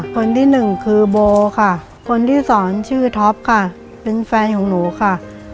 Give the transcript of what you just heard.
คนที่หนึ่งคือโบค่ะคนที่สอนชื่อท็อปค่ะเป็นแฟนของหนูค่ะ